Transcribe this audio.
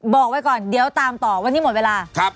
บอกไว้ก่อนเดี๋ยวตามต่อวันนี้หมดเวลา